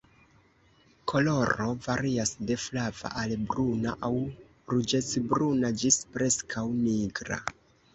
Koloro varias de flava al bruna aŭ ruĝecbruna ĝis preskaŭ nigra.